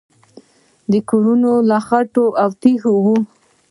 کورونه له خټو او تیږو وو